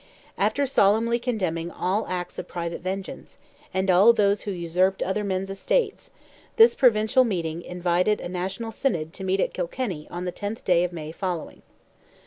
After solemnly condemning all acts of private vengeance, and all those who usurped other men's estates, this provincial meeting invited a national synod to meet at Kilkenny on the 10th day of May following.